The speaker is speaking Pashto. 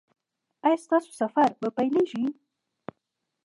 ایا ستاسو سفر به پیلیږي؟